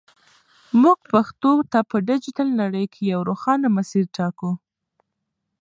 موږ پښتو ته په ډیجیټل نړۍ کې یو روښانه مسیر ټاکو.